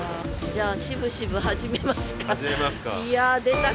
じゃあしぶしぶ始めますか。